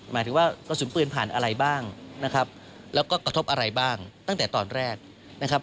หมายถึงว่ากระสุนปืนผ่านอะไรบ้างนะครับแล้วก็กระทบอะไรบ้างตั้งแต่ตอนแรกนะครับ